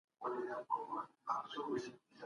که زمانه هېره سي د داستان مانا بدلیږي.